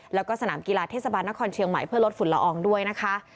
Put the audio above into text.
แล้วก็สนามกีฬาเทศบาลนครเชียงใหม่เพื่อลดฝุ่นละอองด้วยนะคะ